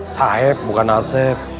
saeb bukan asep